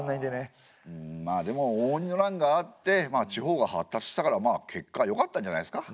まあでも応仁の乱があってまあ地方が発達したからまあ結果よかったんじゃないですか？